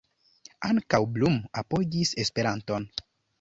Ankaŭ Blum apogis Esperanton.